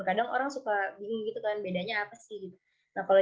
kadang orang suka gini gitu kan